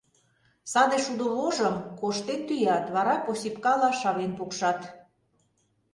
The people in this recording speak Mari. Саде шудо вожым коштен тӱят, вара посипкала шавен пукшат.